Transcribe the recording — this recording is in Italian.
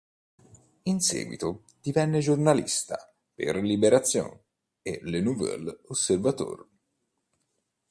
In seguito, divenne giornalista per "Libération" e "Le Nouvel Observateur".